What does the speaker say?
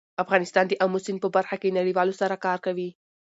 افغانستان د آمو سیند په برخه کې نړیوالو سره کار کوي.